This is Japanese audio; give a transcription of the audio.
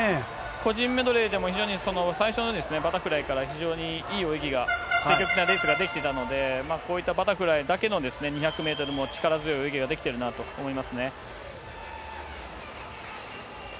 個人メドレーでも非常に最初のバタフライから、非常にいい泳ぎが、積極的なレースができていたので、こういったバタフライだけの２００メートルも力強い泳ぎができてるなと思いますね。